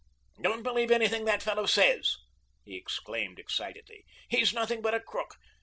"Don't believe anything that fellow says," he exclaimed excitedly: "he's nothing but a crook.